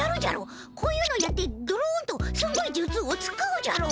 こういうのやってドロンとすんごいじゅつを使うじゃろ。